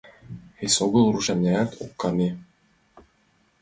Эсогыл рушарнянат ок кане.